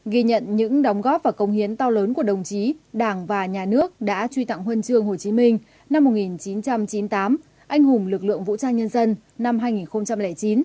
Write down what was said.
ghi nhận những đóng góp và công hiến to lớn của đồng chí đảng và nhà nước đã truy tặng huân chương hồ chí minh năm một nghìn chín trăm chín mươi tám anh hùng lực lượng vũ trang nhân dân năm hai nghìn chín